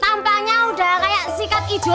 tampaknya udah kayak sikat ijo